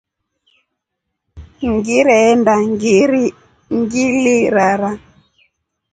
Ngirenda ngilirara.